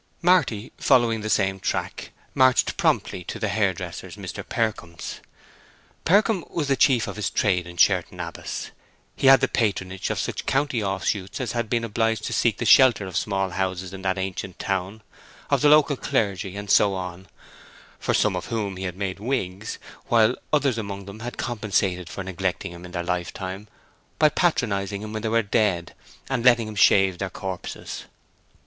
Marty, following the same track, marched promptly to the hair dresser's, Mr. Percombe's. Percombe was the chief of his trade in Sherton Abbas. He had the patronage of such county offshoots as had been obliged to seek the shelter of small houses in that ancient town, of the local clergy, and so on, for some of whom he had made wigs, while others among them had compensated for neglecting him in their lifetime by patronizing him when they were dead, and letting him shave their corpses.